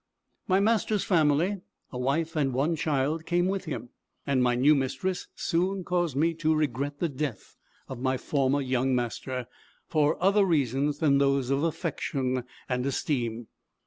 My master's family, a wife and one child, came with him; and my new mistress soon caused me to regret the death of my former young master, for other reasons than those of affection and esteem.